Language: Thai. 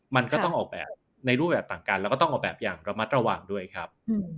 มันก็ต้องออกแบบในรูปแบบต่างกันแล้วก็ต้องออกแบบอย่างระมัดระวังด้วยครับ